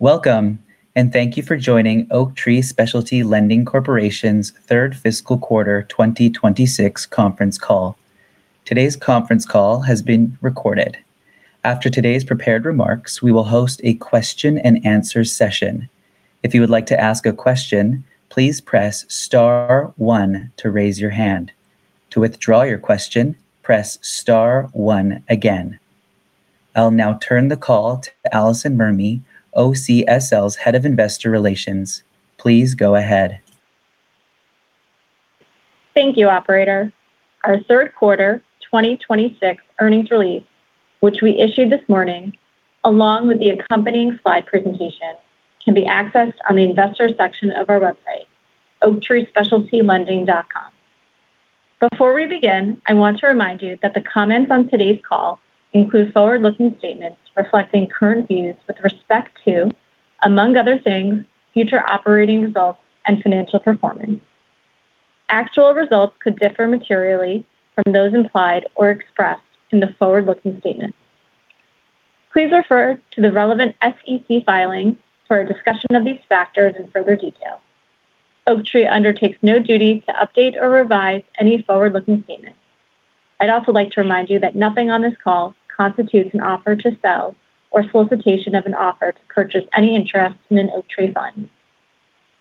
Welcome, thank you for joining Oaktree Specialty Lending Corporation's third fiscal quarter 2026 conference call. Today's conference call has been recorded. After today's prepared remarks, we will host a question-and-answer session. If you would like to ask a question, please press star one to raise your hand. To withdraw your question, press star one again. I will now turn the call to Alison Mermey, OCSL's Head of Investor Relations. Please go ahead. Thank you, operator. Our third quarter 2026 earnings release, which we issued this morning, along with the accompanying slide presentation, can be accessed on the investor section of our website, oaktreespecialtylending.com. Before we begin, I want to remind you that the comments on today's call include forward-looking statements reflecting current views with respect to, among other things, future operating results and financial performance. Actual results could differ materially from those implied or expressed in the forward-looking statement. Please refer to the relevant SEC filing for a discussion of these factors in further detail. Oaktree undertakes no duty to update or revise any forward-looking statement. I'd also like to remind you that nothing on this call constitutes an offer to sell or solicitation of an offer to purchase any interest in an Oaktree fund.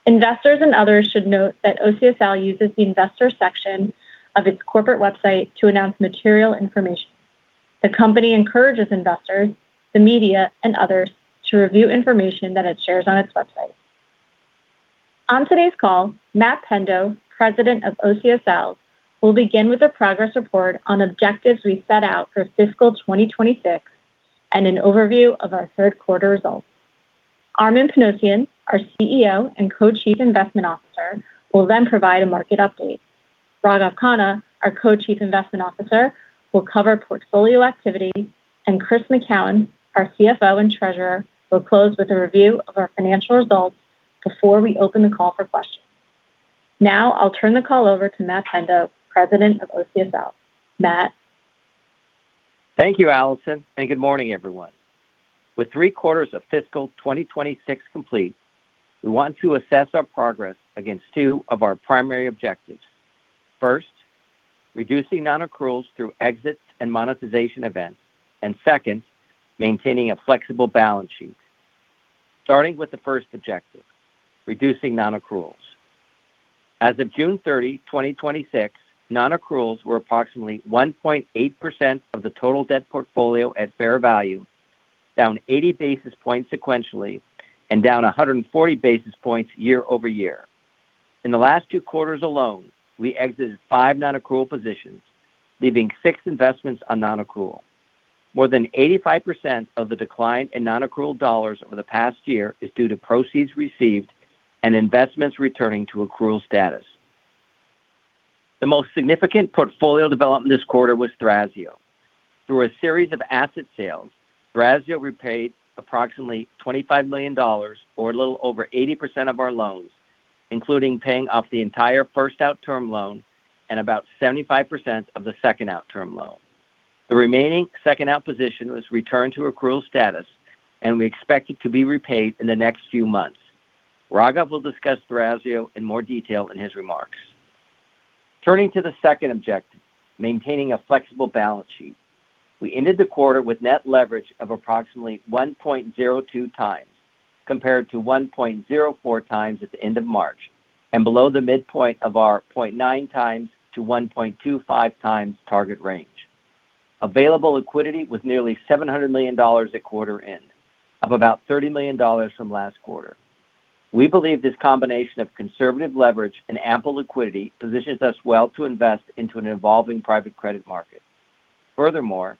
Investors and others should note that OCSL uses the investor section of its corporate website to announce material information. The company encourages investors, the media, and others to review information that it shares on its website. On today's call, Matt Pendo, President of OCSL, will begin with a progress report on objectives we set out for fiscal 2026 and an overview of our third quarter results. Armen Panossian, our CEO and Co-Chief Investment Officer, will then provide a market update. Raghav Khanna, our Co-Chief Investment Officer, will cover portfolio activity, and Chris McKown, our CFO and Treasurer, will close with a review of our financial results before we open the call for questions. I will turn the call over to Matt Pendo, President of OCSL. Matt? Thank you, Alison, good morning, everyone. With three quarters of fiscal 2026 complete, we want to assess our progress against two of our primary objectives. First, reducing non-accruals through exits and monetization events, and second, maintaining a flexible balance sheet. Starting with the first objective, reducing non-accruals. As of June 30th, 2026, non-accruals were approximately 1.8% of the total debt portfolio at fair value, down 80 basis points sequentially and down 140 basis points year-over-year. In the last two quarters alone, we exited five non-accrual positions, leaving six investments on non-accrual. More than 85% of the decline in non-accrual dollars over the past year is due to proceeds received and investments returning to accrual status. The most significant portfolio development this quarter was Thrasio. Through a series of asset sales, Thrasio repaid approximately $25 million, or a little over 80% of our loans, including paying off the entire first out-term loan and about 75% of the second out-term loan. The remaining second out position was returned to accrual status, and we expect it to be repaid in the next few months. Raghav will discuss Thrasio in more detail in his remarks. Turning to the second objective, maintaining a flexible balance sheet. We ended the quarter with net leverage of approximately 1.02x, compared to 1.04x at the end of March, and below the midpoint of our 0.9x-1.25x target range. Available liquidity was nearly $700 million at quarter end, up about $30 million from last quarter. We believe this combination of conservative leverage and ample liquidity positions us well to invest into an evolving private credit market. Furthermore,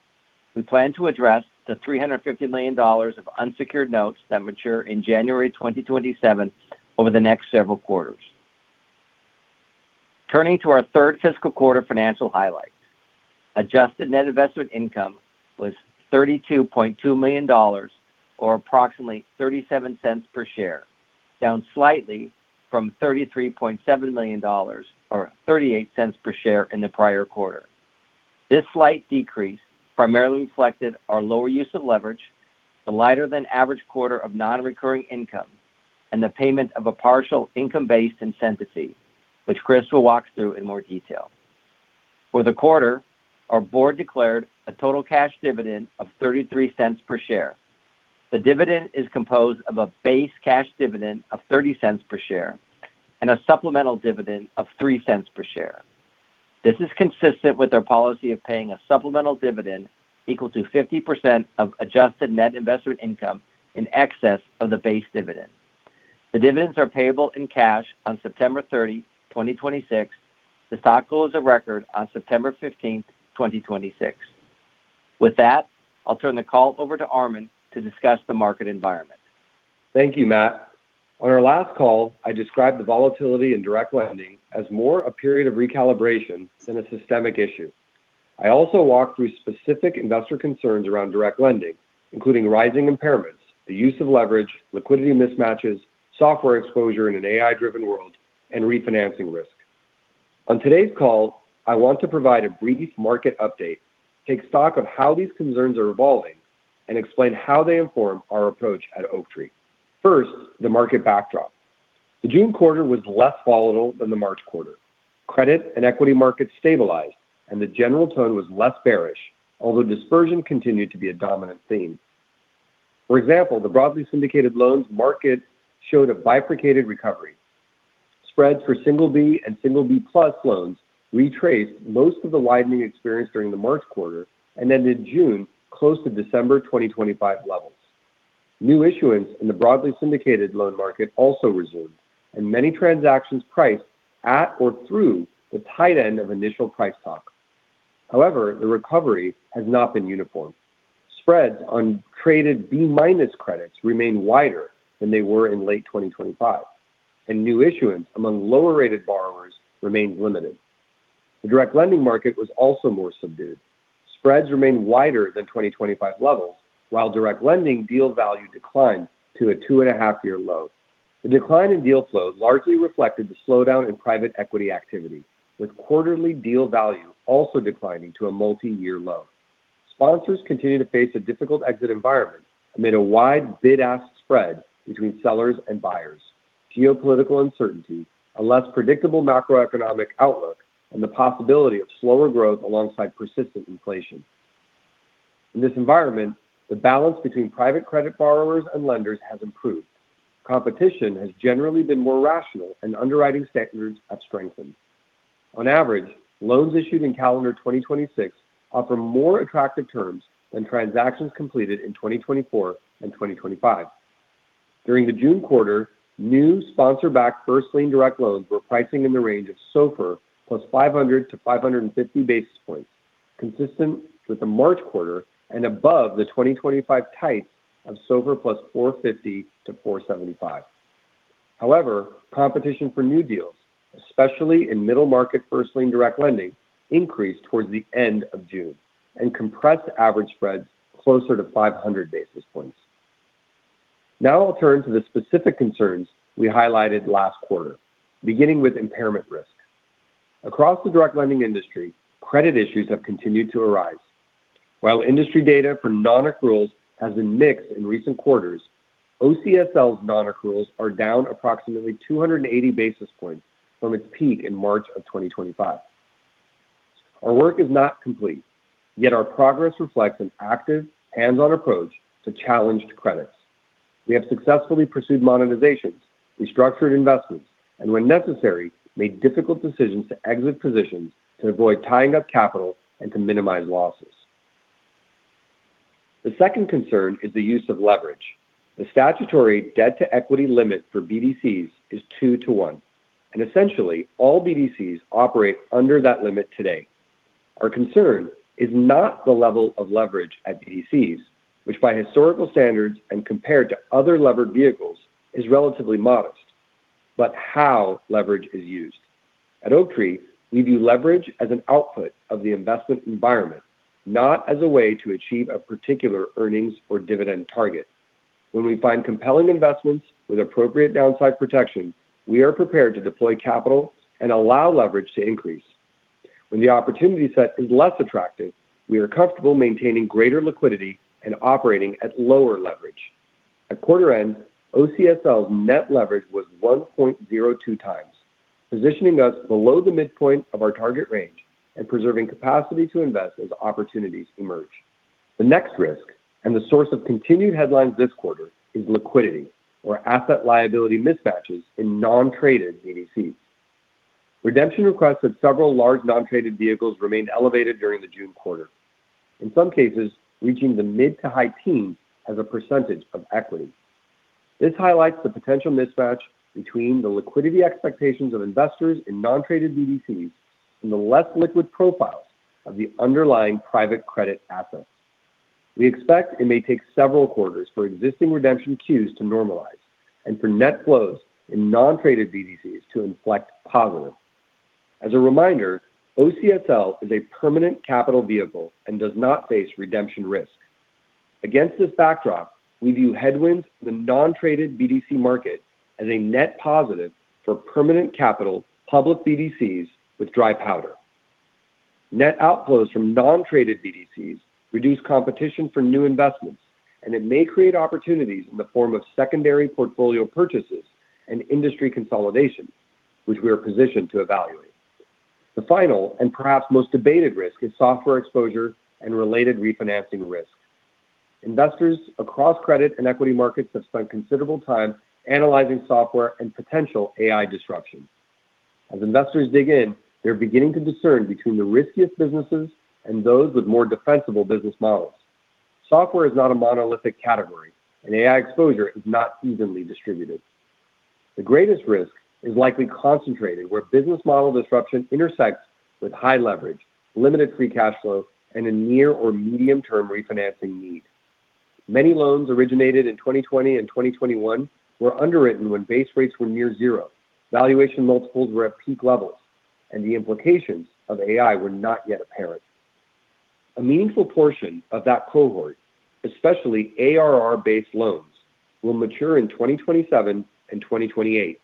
we plan to address the $350 million of unsecured notes that mature in January 2027 over the next several quarters. Turning to our third fiscal quarter financial highlights. Adjusted net investment income was $32.2 million, or approximately $0.37 per share, down slightly from $33.7 million, or $0.38 per share in the prior quarter. This slight decrease primarily reflected our lower use of leverage, the lighter than average quarter of non-recurring income, and the payment of a partial income-based incentive fee, which Chris will walk through in more detail. For the quarter, our board declared a total cash dividend of $0.33 per share. The dividend is composed of a base cash dividend of $0.30 per share and a supplemental dividend of $0.03 per share. This is consistent with our policy of paying a supplemental dividend equal to 50% of adjusted net investment income in excess of the base dividend. The dividends are payable in cash on September 30th, 2026. The stock goes of record on September 15, 2026. With that, I'll turn the call over to Armen to discuss the market environment. Thank you, Matt. On our last call, I described the volatility in direct lending as more a period of recalibration than a systemic issue. I also walked through specific investor concerns around direct lending, including rising impairments, the use of leverage, liquidity mismatches, software exposure in an AI-driven world, and refinancing risk. On today's call, I want to provide a brief market update, take stock of how these concerns are evolving, and explain how they inform our approach at Oaktree. First, the market backdrop. The June quarter was less volatile than the March quarter. Credit and equity markets stabilized, and the general tone was less bearish, although dispersion continued to be a dominant theme. For example, the broadly syndicated loans market showed a bifurcated recovery. Spreads for B and B+ loans retraced most of the widening experience during the March quarter, and ended June close to December 2025 levels. New issuance in the broadly syndicated loan market also resumed, and many transactions priced at or through the tight end of initial price talk. However, the recovery has not been uniform. Spreads on traded B- credits remain wider than they were in late 2025, and new issuance among lower-rated borrowers remains limited. The direct lending market was also more subdued. Spreads remained wider than 2025 levels, while direct lending deal value declined to a 2.5 year low. The decline in deal flow largely reflected the slowdown in private equity activity, with quarterly deal value also declining to a multi-year low. Sponsors continue to face a difficult exit environment amid a wide bid-ask spread between sellers and buyers, geopolitical uncertainty, a less predictable macroeconomic outlook, and the possibility of slower growth alongside persistent inflation. In this environment, the balance between private credit borrowers and lenders has improved. Competition has generally been more rational, and underwriting standards have strengthened. On average, loans issued in calendar 2026 offer more attractive terms than transactions completed in 2024 and 2025. During the June quarter, new sponsor-backed first-lien direct loans were pricing in the range of SOFR+ 500-550 basis points, consistent with the March quarter and above the 2025 types of SOFR+ 450-475. However, competition for new deals, especially in middle-market first-lien direct lending, increased towards the end of June and compressed average spreads closer to 500 basis points. Now I'll turn to the specific concerns we highlighted last quarter, beginning with impairment risk. Across the direct lending industry, credit issues have continued to arise. While industry data for non-accruals has been mixed in recent quarters, OCSL's non-accruals are down approximately 280 basis points from its peak in March of 2025. Our work is not complete, yet our progress reflects an active, hands-on approach to challenged credits. We have successfully pursued monetizations, restructured investments, and, when necessary, made difficult decisions to exit positions to avoid tying up capital and to minimize losses. The second concern is the use of leverage. The statutory debt-to-equity limit for BDCs is 2-to-1, and essentially, all BDCs operate under that limit today. Our concern is not the level of leverage at BDCs, which by historical standards and compared to other levered vehicles is relatively modest, but how leverage is used. At Oaktree, we view leverage as an output of the investment environment, not as a way to achieve a particular earnings or dividend target. When we find compelling investments with appropriate downside protection, we are prepared to deploy capital and allow leverage to increase. When the opportunity set is less attractive, we are comfortable maintaining greater liquidity and operating at lower leverage. At quarter end, OCSL's net leverage was 1.02x, positioning us below the midpoint of our target range and preserving capacity to invest as opportunities emerge. The next risk, and the source of continued headlines this quarter, is liquidity or asset-liability mismatches in non-traded BDCs. Redemption requests of several large non-traded vehicles remained elevated during the June quarter, in some cases reaching the mid-to-high teens as a percentage of equity. This highlights the potential mismatch between the liquidity expectations of investors in non-traded BDCs and the less liquid profiles of the underlying private credit assets. We expect it may take several quarters for existing redemption queues to normalize and for net flows in non-traded BDCs to inflect positive. As a reminder, OCSL is a permanent capital vehicle and does not face redemption risk. Against this backdrop, we view headwinds to the non-traded BDC market as a net positive for permanent capital public BDCs with dry powder. Net outflows from non-traded BDCs reduce competition for new investments, and it may create opportunities in the form of secondary portfolio purchases and industry consolidation, which we are positioned to evaluate. The final, and perhaps most debated risk, is software exposure and related refinancing risk. Investors across credit and equity markets have spent considerable time analyzing software and potential AI disruption. As investors dig in, they are beginning to discern between the riskiest businesses and those with more defensible business models. Software is not a monolithic category, and AI exposure is not evenly distributed. The greatest risk is likely concentrated where business model disruption intersects with high leverage, limited free cash flow, and a near or medium-term refinancing need. Many loans originated in 2020 and 2021 were underwritten when base rates were near zero, valuation multiples were at peak levels, and the implications of AI were not yet apparent. A meaningful portion of that cohort, especially ARR-based loans, will mature in 2027 and 2028.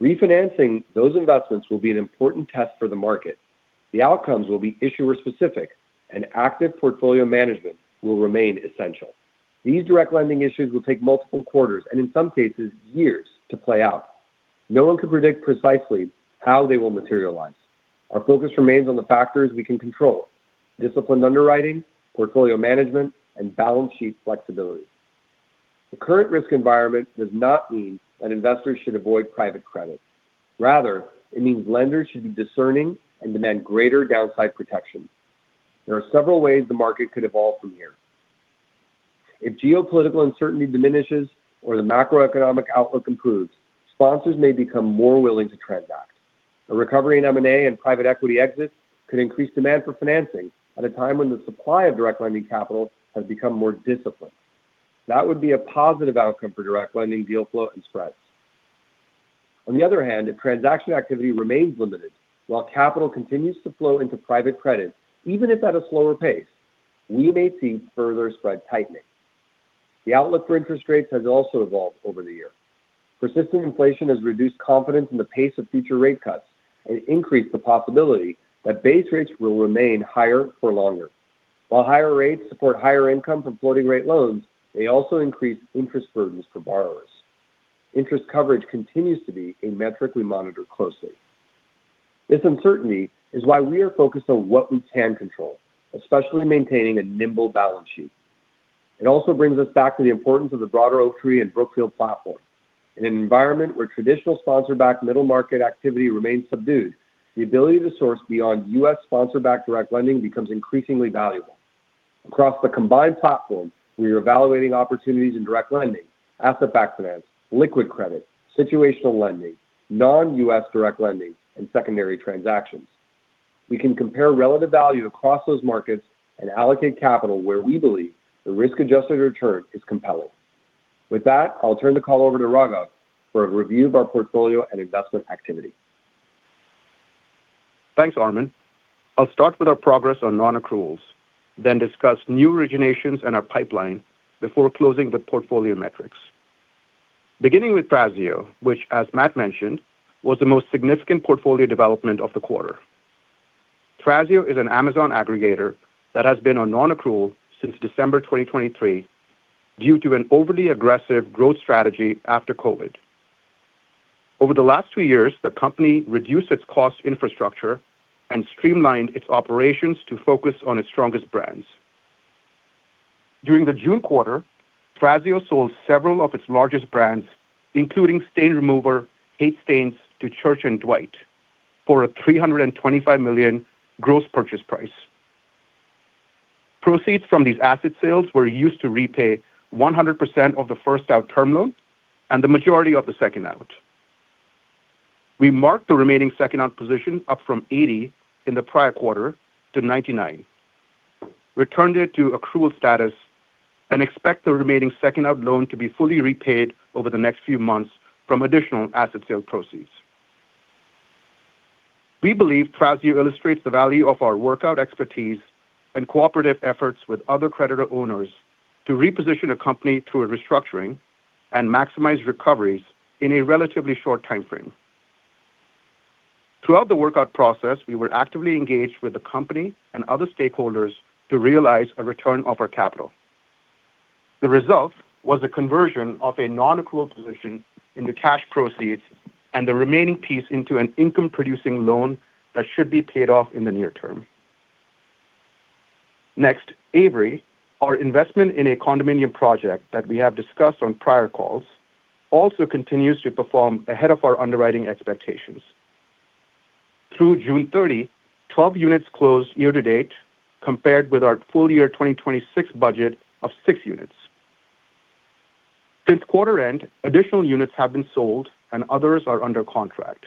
Refinancing those investments will be an important test for the market. The outcomes will be issuer-specific, and active portfolio management will remain essential. These direct lending issues will take multiple quarters, and in some cases, years to play out. No one can predict precisely how they will materialize. Our focus remains on the factors we can control: disciplined underwriting, portfolio management, and balance sheet flexibility. The current risk environment does not mean that investors should avoid private credit. Rather, it means lenders should be discerning and demand greater downside protection. There are several ways the market could evolve from here. If geopolitical uncertainty diminishes or the macroeconomic outlook improves, sponsors may become more willing to transact. A recovery in M&A and private equity exits could increase demand for financing at a time when the supply of direct lending capital has become more disciplined. That would be a positive outcome for direct lending deal flow and spreads. On the other hand, if transaction activity remains limited while capital continues to flow into private credit, even if at a slower pace, we may see further spread tightening. The outlook for interest rates has also evolved over the year. Persistent inflation has reduced confidence in the pace of future rate cuts and increased the possibility that base rates will remain higher for longer. While higher rates support higher income from floating rate loans, they also increase interest burdens for borrowers. Interest coverage continues to be a metric we monitor closely. This uncertainty is why we are focused on what we can control, especially maintaining a nimble balance sheet. It also brings us back to the importance of the broader Oaktree and Brookfield platform. In an environment where traditional sponsor-backed middle market activity remains subdued, the ability to source beyond U.S. sponsor-backed direct lending becomes increasingly valuable. Across the combined platforms, we are evaluating opportunities in direct lending, asset-backed finance, liquid credit, situational lending, non-U.S. direct lending, and secondary transactions. We can compare relative value across those markets and allocate capital where we believe the risk-adjusted return is compelling. With that, I'll turn the call over to Raghav for a review of our portfolio and investment activity. Thanks, Armen. I'll start with our progress on non-accruals, then discuss new originations in our pipeline before closing with portfolio metrics. Beginning with Thrasio, which as Matt mentioned, was the most significant portfolio development of the quarter. Thrasio is an Amazon aggregator that has been on non-accrual since December 2023 due to an overly aggressive growth strategy after COVID. Over the last two years, the company reduced its cost infrastructure and streamlined its operations to focus on its strongest brands. During the June quarter, Thrasio sold several of its largest brands, including stain remover Miss Mouth's Messy Eater, to Church & Dwight for a $325 million gross purchase price. Proceeds from these asset sales were used to repay 100% of the first out term loan and the majority of the second out. We marked the remaining second out position up from 80 in the prior quarter to 99, returned it to accrual status, and expect the remaining second out loan to be fully repaid over the next few months from additional asset sale proceeds. We believe Thrasio illustrates the value of our workout expertise and cooperative efforts with other creditor owners to reposition a company through a restructuring and maximize recoveries in a relatively short timeframe. Throughout the workout process, we were actively engaged with the company and other stakeholders to realize a return of our capital. The result was a conversion of a non-accrual position into cash proceeds and the remaining piece into an income-producing loan that should be paid off in the near term. Next, Avery, our investment in a condominium project that we have discussed on prior calls, also continues to perform ahead of our underwriting expectations. Through June 30th, 12 units closed year to date, compared with our full year 2026 budget of six units. Since quarter end, additional units have been sold and others are under contract.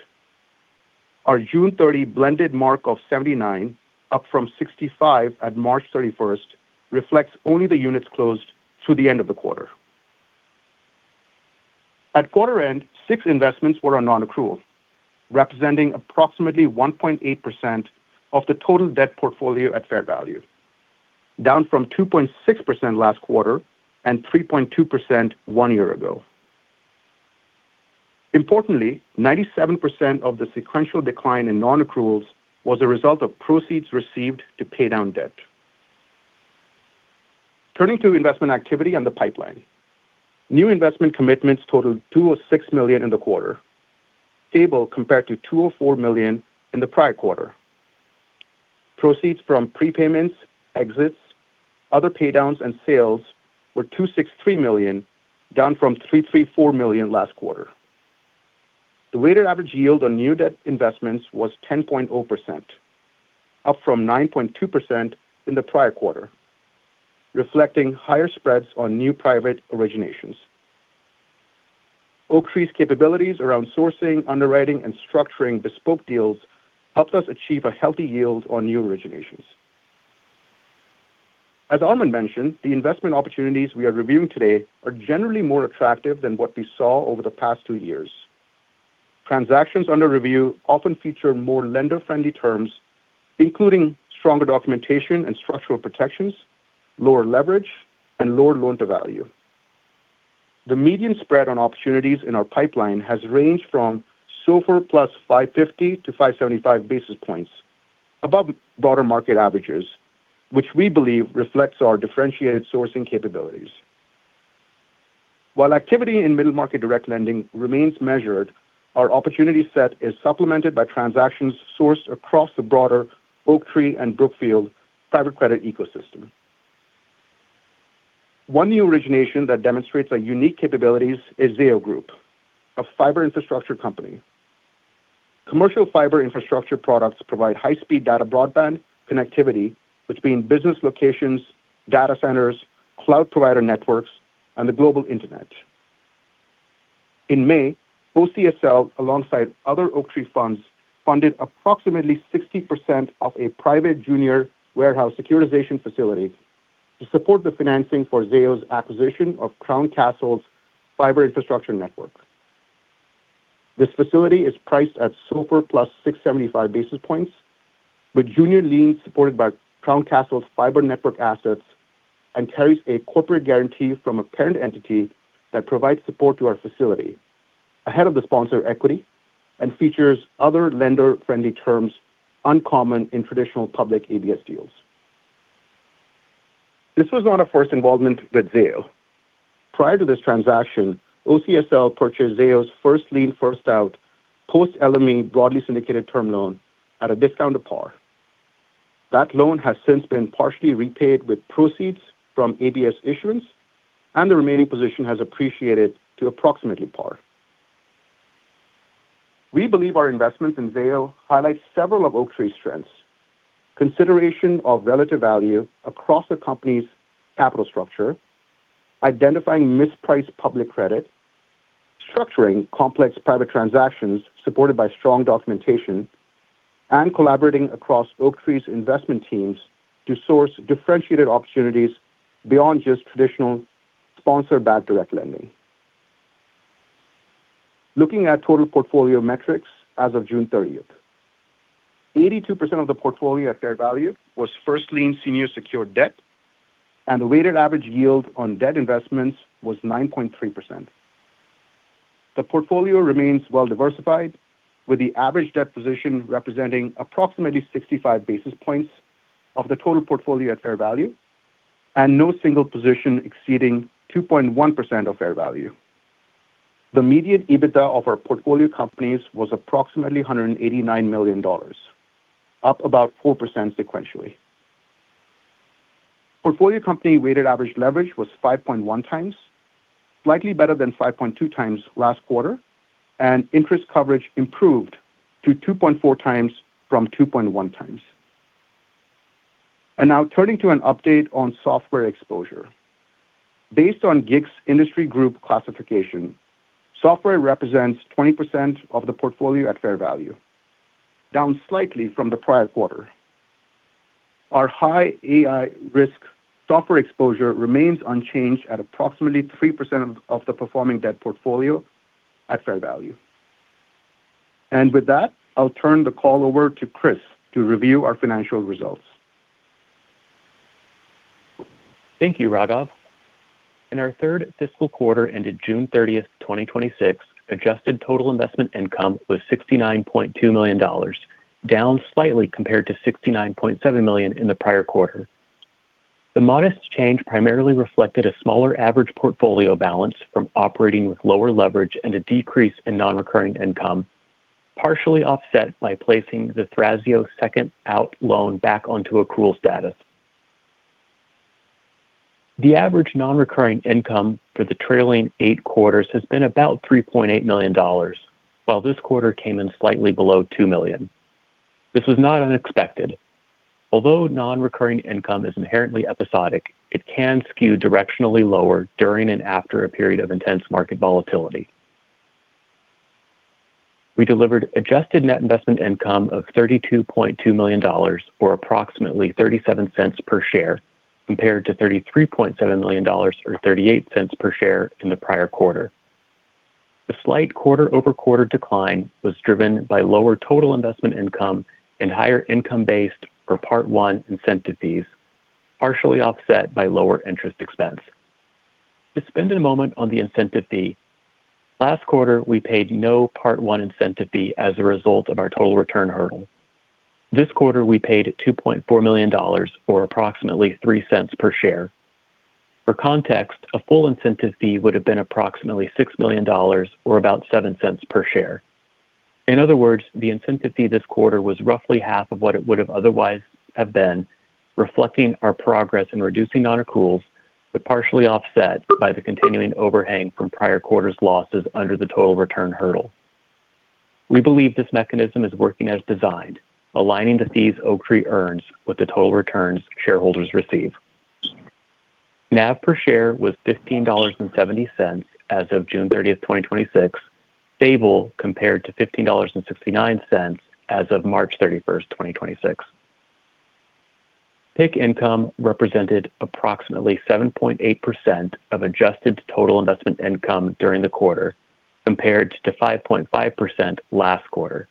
Our June 30th blended mark of 79, up from 65 at March 31st, reflects only the units closed through the end of the quarter. At quarter end, six investments were on non-accrual, representing approximately 1.8% of the total debt portfolio at fair value, down from 2.6% last quarter and 3.2% one year ago. Importantly, 97% of the sequential decline in non-accruals was a result of proceeds received to pay down debt. Turning to investment activity and the pipeline. New investment commitments totaled $206 million in the quarter, stable compared to $204 million in the prior quarter. Proceeds from prepayments, exits, other paydowns, and sales were $263 million, down from $334 million last quarter. The weighted average yield on new debt investments was 10.0%, up from 9.2% in the prior quarter, reflecting higher spreads on new private originations. Oaktree's capabilities around sourcing, underwriting, and structuring bespoke deals helps us achieve a healthy yield on new originations. As Armen mentioned, the investment opportunities we are reviewing today are generally more attractive than what we saw over the past two years. Transactions under review often feature more lender-friendly terms, including stronger documentation and structural protections, lower leverage, and lower loan-to-value. The median spread on opportunities in our pipeline has ranged from SOFR+ 550-575 basis points above broader market averages, which we believe reflects our differentiated sourcing capabilities. While activity in middle market direct lending remains measured, our opportunity set is supplemented by transactions sourced across the broader Oaktree and Brookfield private credit ecosystem. One new origination that demonstrates our unique capabilities is Zayo Group, a fiber infrastructure company. Commercial fiber infrastructure products provide high-speed data broadband connectivity between business locations, data centers, cloud provider networks, and the global internet. In May, OCSL, alongside other Oaktree funds, funded approximately 60% of a private junior warehouse securitization facility to support the financing for Zayo's acquisition of Crown Castle's fiber infrastructure network. This facility is priced at SOF+ 675 basis points, with junior liens supported by Crown Castle's fiber network assets, and carries a corporate guarantee from a parent entity that provides support to our facility ahead of the sponsor equity and features other lender-friendly terms uncommon in traditional public ABS deals. This was not our first involvement with Zayo. Prior to this transaction, OCSL purchased Zayo's first-lien, first-out post LME broadly syndicated term loan at a discount to par. That loan has since been partially repaid with proceeds from ABS issuance, and the remaining position has appreciated to approximately par. We believe our investments in Zayo highlight several of Oaktree's strengths: consideration of relative value across a company's capital structure, identifying mispriced public credit, structuring complex private transactions supported by strong documentation, and collaborating across Oaktree's investment teams to source differentiated opportunities beyond just traditional sponsor-backed direct lending. Looking at total portfolio metrics as of June 30th. 82% of the portfolio at fair value was first lien senior secured debt, and the weighted average yield on debt investments was 9.3%. The portfolio remains well-diversified, with the average debt position representing approximately 65 basis points of the total portfolio at fair value, and no single position exceeding 2.1% of fair value. The median EBITDA of our portfolio companies was approximately $189 million, up about 4% sequentially. Portfolio company weighted average leverage was 5.1x, slightly better than 5.2x last quarter, interest coverage improved to 2.4x from 2.1x. Now turning to an update on software exposure. Based on GICS industry group classification, software represents 20% of the portfolio at fair value, down slightly from the prior quarter. Our high AI risk software exposure remains unchanged at approximately 3% of the performing debt portfolio at fair value. With that, I'll turn the call over to Chris to review our financial results. Thank you, Raghav. In our third fiscal quarter ended June 30th, 2026, adjusted total investment income was $69.2 million, down slightly compared to $69.7 million in the prior quarter. The modest change primarily reflected a smaller average portfolio balance from operating with lower leverage and a decrease in non-recurring income, partially offset by placing the Thrasio second out loan back onto accrual status. The average non-recurring income for the trailing eight quarters has been about $3.8 million, while this quarter came in slightly below $2 million. This was not unexpected. Although non-recurring income is inherently episodic, it can skew directionally lower during and after a period of intense market volatility. We delivered adjusted net investment income of $32.2 million, or approximately $0.37 per share, compared to $33.7 million or $0.38 per share in the prior quarter. The slight quarter-over-quarter decline was driven by lower total investment income and higher income-based for Part I incentive fees, partially offset by lower interest expense. Let's spend a moment on the incentive fee. Last quarter, we paid no Part I incentive fee as a result of our total return hurdle. This quarter, we paid $2.4 million, or approximately $0.03 per share. For context, a full incentive fee would have been approximately $6 million, or about $0.07 per share. In other words, the incentive fee this quarter was roughly half of what it would have otherwise have been, reflecting our progress in reducing non-accruals, but partially offset by the continuing overhang from prior quarters' losses under the total return hurdle. We believe this mechanism is working as designed, aligning the fees Oaktree earns with the total returns shareholders receive. NAV per share was $15.70 as of June 30th, 2026, stable compared to $15.69 as of March 31st, 2026. PIK income represented approximately 7.8% of adjusted total investment income during the quarter, compared to 5.5% last quarter.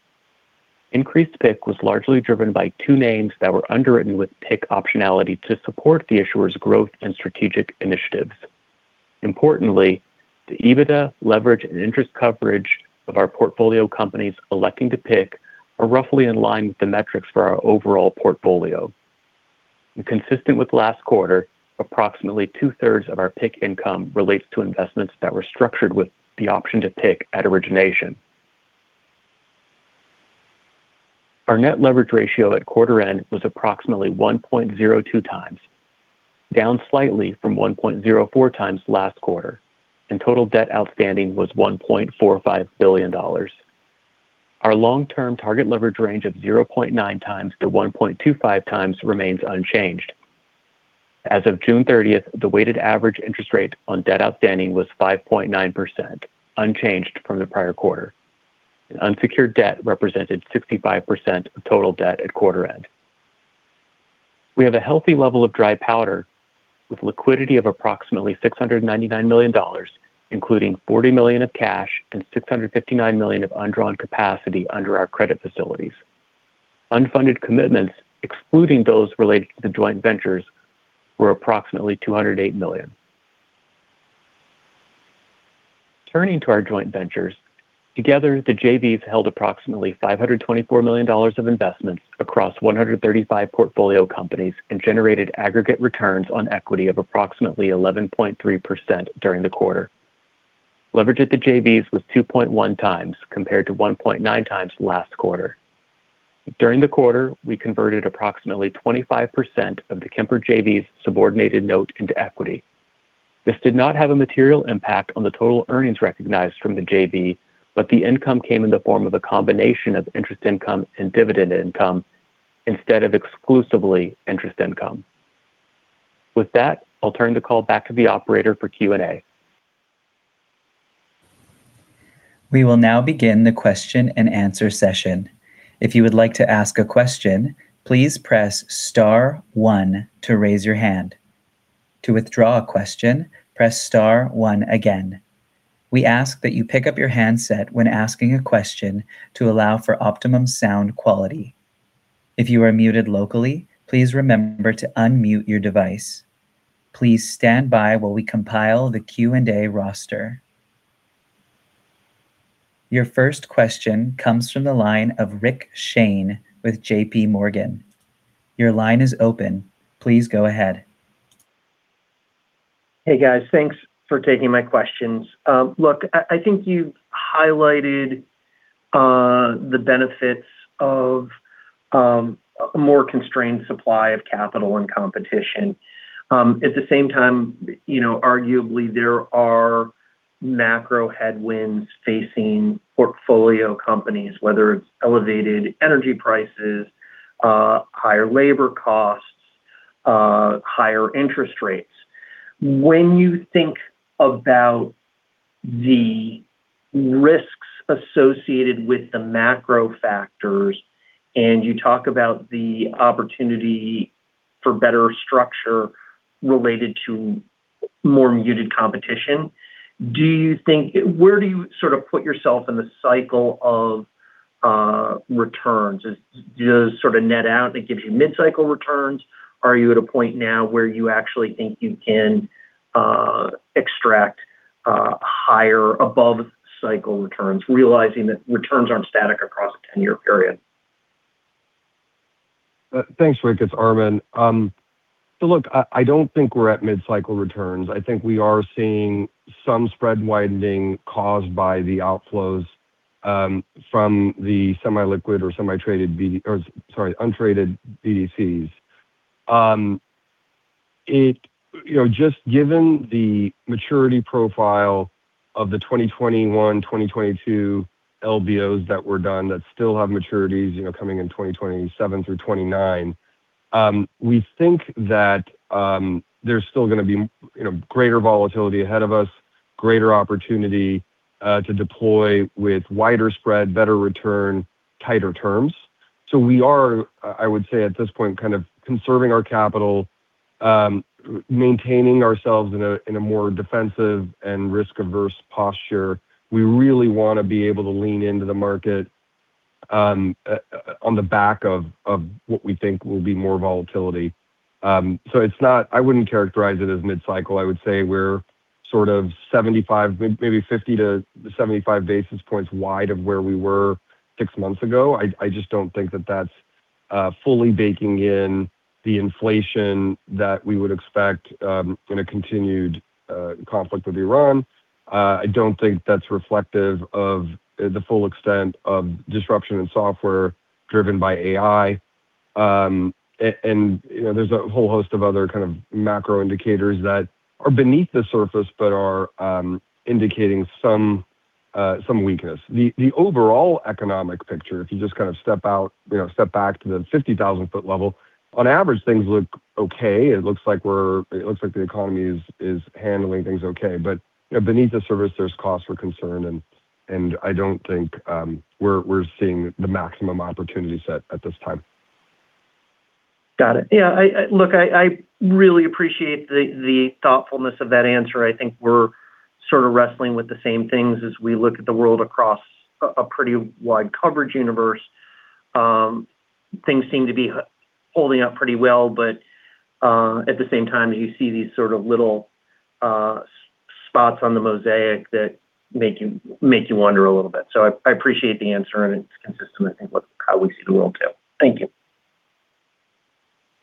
Increased PIK was largely driven by two names that were underwritten with PIK optionality to support the issuer's growth and strategic initiatives. Importantly, the EBITDA leverage and interest coverage of our portfolio companies electing to PIK are roughly in line with the metrics for our overall portfolio. Consistent with last quarter, approximately two-thirds of our PIK income relates to investments that were structured with the option to PIK at origination. Our net leverage ratio at quarter end was approximately 1.02x, down slightly from 1.04x last quarter, and total debt outstanding was $1.45 billion. Our long-term target leverage range of 0.9x-1.25x remains unchanged. As of June 30th, the weighted average interest rate on debt outstanding was 5.9%, unchanged from the prior quarter. Unsecured debt represented 65% of total debt at quarter end. We have a healthy level of dry powder with liquidity of approximately $699 million, including $40 million of cash and $659 million of undrawn capacity under our credit facilities. Unfunded commitments, excluding those related to the joint ventures, were approximately $208 million. Turning to our joint ventures. Together, the JVs held approximately $524 million of investments across 135 portfolio companies and generated aggregate returns on equity of approximately 11.3% during the quarter. Leverage at the JVs was 2.1x, compared to 1.9x last quarter. During the quarter, we converted approximately 25% of the Kemper JV's subordinated note into equity. This did not have a material impact on the total earnings recognized from the JV, the income came in the form of a combination of interest income and dividend income instead of exclusively interest income. With that, I'll turn the call back to the operator for Q&A. We will now begin the question-and-answer session. If you would like to ask a question, please press star one to raise your hand. To withdraw a question, press star one again. We ask that you pick up your handset when asking a question to allow for optimum sound quality. If you are muted locally, please remember to unmute your device. Please stand by while we compile the Q&A roster. Your first question comes from the line of Rick Shane with JPMorgan. Your line is open. Please go ahead. Hey, guys. Thanks for taking my questions. Look, I think you've highlighted the benefits of a more constrained supply of capital and competition. At the same time, arguably, there are macro headwinds facing portfolio companies, whether it's elevated energy prices, higher labor costs, higher interest rates. When you think about the risks associated with the macro factors, and you talk about the opportunity for better structure related to more muted competition, where do you sort of put yourself in the cycle of returns? Does sort of net out, it gives you mid-cycle returns? Are you at a point now where you actually think you can extract higher above cycle returns, realizing that returns aren't static across a 10-year period? Thanks, Rick. It's Armen. Look, I don't think we're at mid-cycle returns. I think we are seeing some spread widening caused by the outflows from the semi-liquid or semi-traded, or, sorry, untraded BDCs. Just given the maturity profile of the 2021, 2022 LBOs that were done that still have maturities coming in 2027 through 2029, we think that there's still going to be greater volatility ahead of us, greater opportunity to deploy with wider spread, better return, tighter terms. We are, I would say at this point, kind of conserving our capital, maintaining ourselves in a more defensive and risk-averse posture. We really want to be able to lean into the market on the back of what we think will be more volatility. I wouldn't characterize it as mid-cycle. I would say we're sort of 75, maybe 50-75 basis points wide of where we were six months ago. I just don't think that that's fully baking in the inflation that we would expect in a continued conflict with Iran. I don't think that's reflective of the full extent of disruption in software driven by AI. There's a whole host of other kind of macro indicators that are beneath the surface but are indicating some weakness. The overall economic picture, if you just kind of step back to the 50,000 ft level, on average, things look okay. It looks like the economy is handling things okay. Beneath the surface, there's cause for concern. I don't think we're seeing the maximum opportunity set at this time. Got it. Yeah. Look, I really appreciate the thoughtfulness of that answer. I think we're sort of wrestling with the same things as we look at the world across a pretty wide coverage universe. Things seem to be holding up pretty well, but at the same time, you see these sort of little spots on the mosaic that make you wonder a little bit. I appreciate the answer, and it's consistent, I think, with how we see the world, too. Thank you.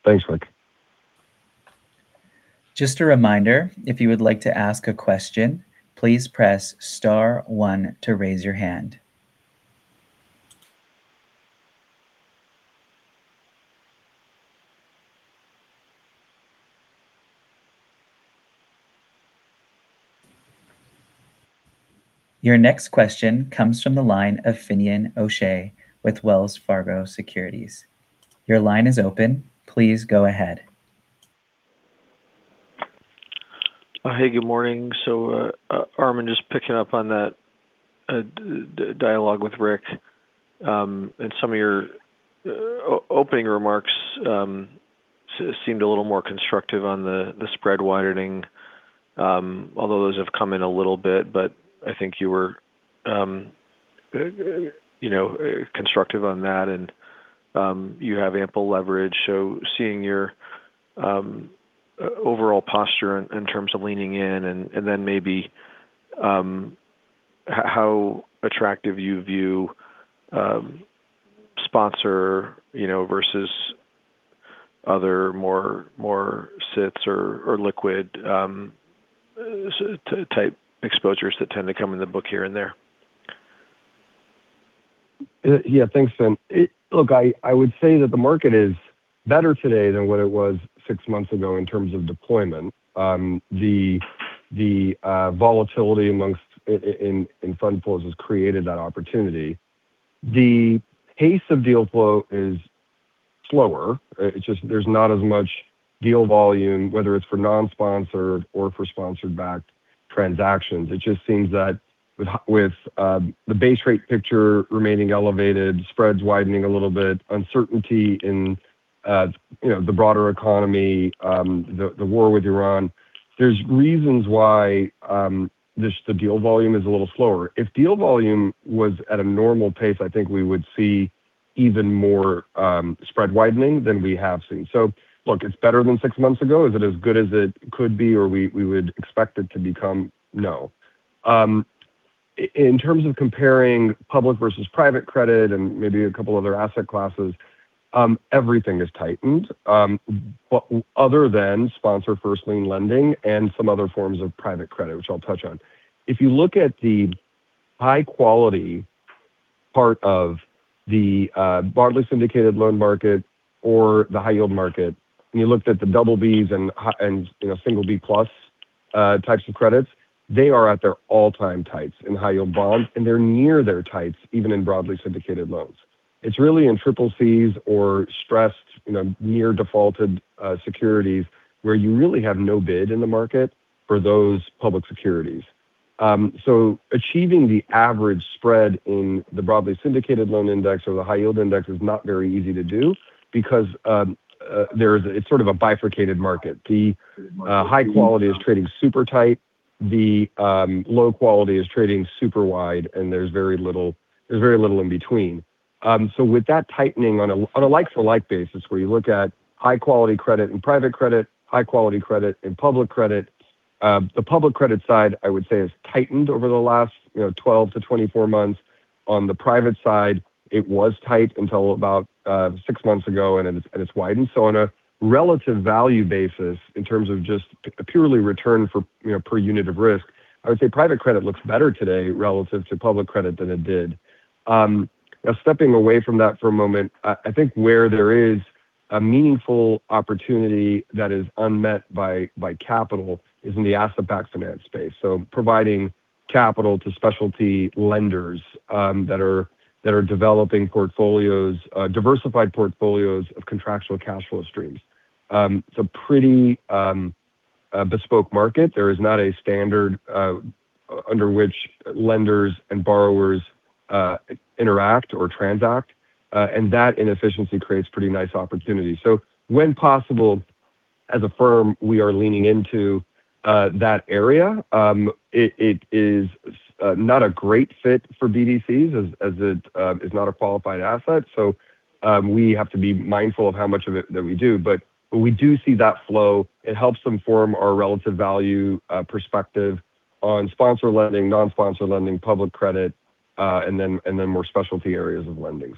Thanks, Rick. Just a reminder, if you would like to ask a question, please press star one to raise your hand. Your next question comes from the line of Finian O'Shea with Wells Fargo Securities. Your line is open. Please go ahead. Hey, good morning. Armen, just picking up on that dialogue with Rick, some of your opening remarks seemed a little more constructive on the spread widening, although those have come in a little bit. I think you were constructive on that, and you have ample leverage. Seeing your overall posture in terms of leaning in, and then maybe how attractive you view sponsor versus other more public or liquid type exposures that tend to come in the book here and there. Yeah. Thanks, Fin. Look, I would say that the market is better today than what it was six months ago in terms of deployment. The volatility in fund flows has created that opportunity. The pace of deal flow is slower. There's not as much deal volume, whether it's for non-sponsored or for sponsored backed transactions. It just seems that with the base rate picture remaining elevated, spreads widening a little bit, uncertainty in the broader economy, the war with Iran. There's reasons why just the deal volume is a little slower. If deal volume was at a normal pace, I think we would see even more spread widening than we have seen. Look, it's better than six months ago. Is it as good as it could be, or we would expect it to become? No. In terms of comparing public versus private credit and maybe a couple of other asset classes, everything has tightened. Other than sponsor first lien lending and some other forms of private credit, which I'll touch on. If you look at the high quality part of the broadly syndicated loan market or the high yield market. You looked at the BBs and B+ types of credits, they're at their all-time tights in high yield bonds, and they're near their tights even in broadly syndicated loans. It's really in CCCs or stressed near defaulted securities where you really have no bid in the market for those public securities. Achieving the average spread in the broadly syndicated loan index or the high yield index is not very easy to do because it's sort of a bifurcated market. The high quality is trading super tight. The low quality is trading super wide, and there's very little in between. With that tightening on a like-for-like basis where you look at high quality credit and private credit, high quality credit and public credit. The public credit side, I would say, has tightened over the last 12-24 months. On the private side, it was tight until about six months ago, and it's widened. On a relative value basis, in terms of just purely return per unit of risk, I would say private credit looks better today relative to public credit than it did. Stepping away from that for a moment, I think where there is a meaningful opportunity that is unmet by capital is in the asset-backed finance space. Providing capital to specialty lenders that are developing diversified portfolios of contractual cash flow streams. It's a pretty bespoke market. There is not a standard under which lenders and borrowers interact or transact, and that inefficiency creates pretty nice opportunities. When possible, as a firm, we are leaning into that area. It is not a great fit for BDCs as it is not a qualified asset. We have to be mindful of how much of it that we do. We do see that flow. It helps inform our relative value perspective on sponsor lending, non-sponsor lending, public credit, and then more specialty areas of lending.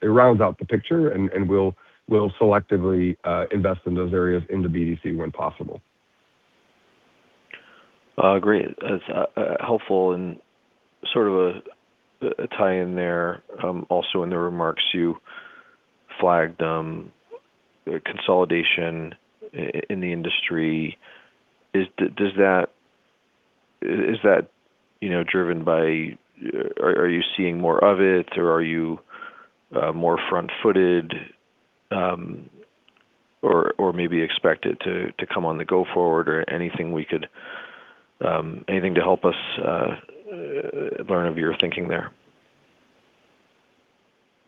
It rounds out the picture, and we'll selectively invest in those areas in the BDC when possible. Great. That's helpful and sort of a tie in there. In the remarks, you flagged consolidation in the industry. Are you seeing more of it, or are you more front-footed? Maybe expected to come on the go forward, anything to help us learn of your thinking there.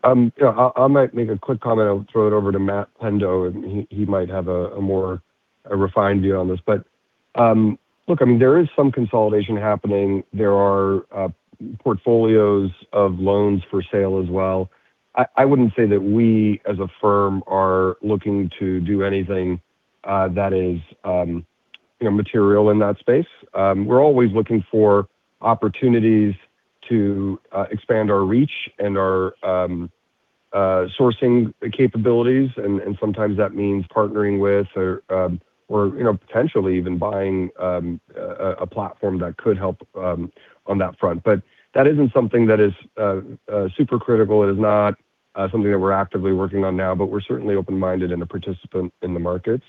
Yeah. I might make a quick comment. I'll throw it over to Matt Pendo. He might have a more refined view on this. Look, there is some consolidation happening. There are portfolios of loans for sale as well. I wouldn't say that we, as a firm, are looking to do anything that is material in that space. We're always looking for opportunities to expand our reach and our sourcing capabilities. Sometimes that means partnering with or potentially even buying a platform that could help on that front. That isn't something that is super critical. It is not something that we're actively working on now. We're certainly open-minded and a participant in the markets.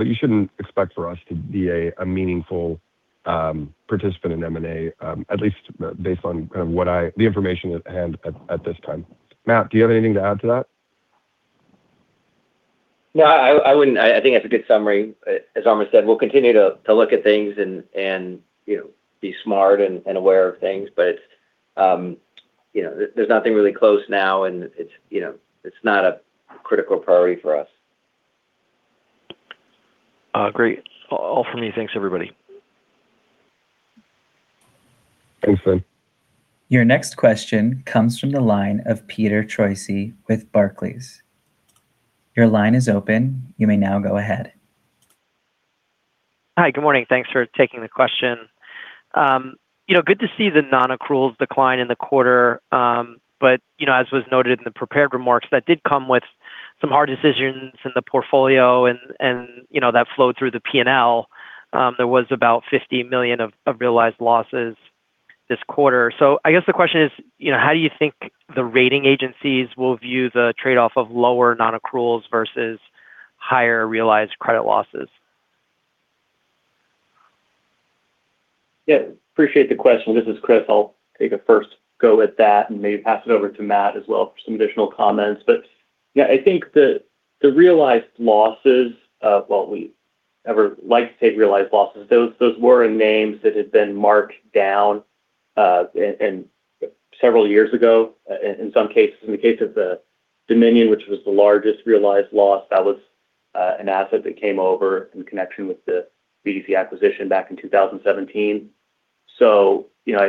You shouldn't expect for us to be a meaningful participant in M&A, at least based on the information at hand at this time. Matt, do you have anything to add to that? I think that's a good summary. As Armen said, we'll continue to look at things and be smart and aware of things. There's nothing really close now, and it's not a critical priority for us. Great. All from me. Thanks, everybody. Thanks, Fin. Your next question comes from the line of Peter Troisi with Barclays. Your line is open. You may now go ahead. Hi. Good morning. Thanks for taking the question. Good to see the non-accruals decline in the quarter. As was noted in the prepared remarks, that did come with some hard decisions in the portfolio, and that flowed through the P&L. There was about $50 million of realized losses this quarter. I guess the question is, how do you think the rating agencies will view the trade-off of lower non-accruals versus higher realized credit losses? Appreciate the question. This is Chris. I will take a first go at that and maybe pass it over to Matt as well for some additional comments. I think the realized losses, well, we never like to take realized losses. Those were in names that had been marked down several years ago, in some cases. In the case of the Dominion, which was the largest realized loss, that was an asset that came over in connection with the BDC acquisition back in 2017.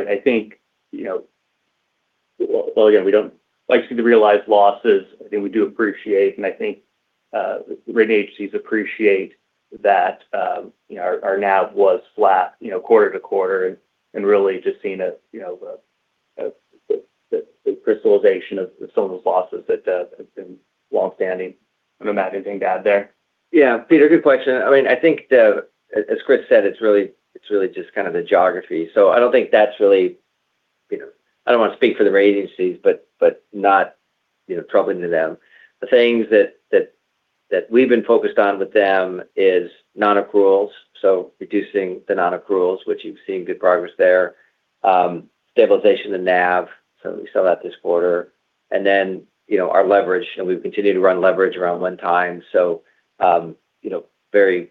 I think while again, we do not like to see the realized losses. I think we do appreciate, and I think rating agencies appreciate that our NAV was flat quarter to quarter and really just seeing the crystallization of some of those losses that have been longstanding. I do not know, Matt, anything to add there? Peter, good question. I think as Chris said, it is really just kind of the geography. I do not want to speak for the rating agencies, but not troubling to them. The things that we have been focused on with them is non-accruals, so reducing the non-accruals, which you have seen good progress there. Stabilization of NAV. Certainly saw that this quarter. Then our leverage, and we have continued to run leverage around one time, so very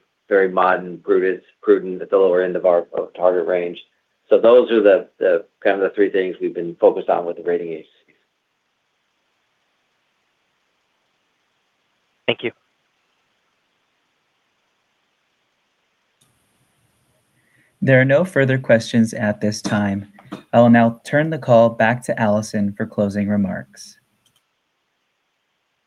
modern, prudent at the lower end of our target range. Those are the kind of the three things we have been focused on with the rating agencies. Thank you. There are no further questions at this time. I will now turn the call back to Alison for closing remarks.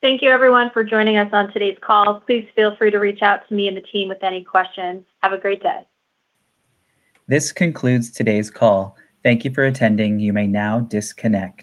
Thank you everyone for joining us on today's call. Please feel free to reach out to me and the team with any questions. Have a great day. This concludes today's call. Thank you for attending. You may now disconnect.